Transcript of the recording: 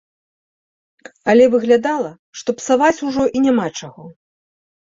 Але выглядала, што псаваць ужо і няма чаго.